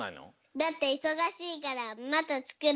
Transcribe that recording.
だっていそがしいからまたつくる。